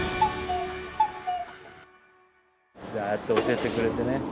ああやって教えてくれてね。